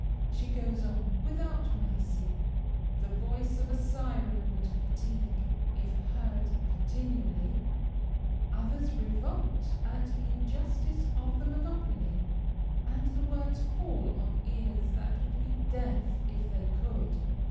She goes on, without mercy; the voice of a syren would fatigue, if heard continually. Others revolt at the injustice of the monopoly, and the words fall on ears that would be deaf if they could.